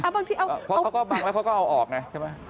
บางทีเอาออกเพราะเขาก็บังแล้วเขาก็เอาออกไงใช่ไหม